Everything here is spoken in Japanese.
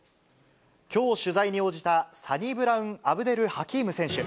きょう取材に応じた、サニブラウンアブデル・ハキーム。